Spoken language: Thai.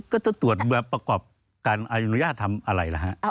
ก็จะตรวจประกอบการอนุญาตทำอะไรล่ะฮะ